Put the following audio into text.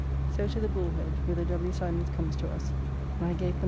So to the Bull Head whither W. Simons comes to us and I gave them my foy [Foy.